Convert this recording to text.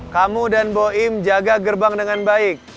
kamu dan boim jaga gerbang dengan baik